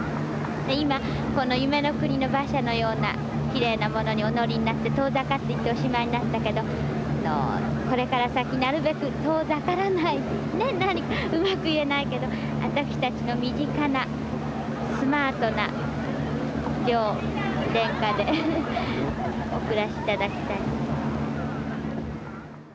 今この夢の国の馬車のようなきれいなものにお乗りになって遠ざかっていっておしまいになったけどこれから先うまく言えないけど私たちの身近なスマートな両殿下でお暮らし頂きたい。